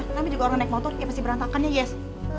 namanya juga orang naik motor ya pasti berantakan ya yes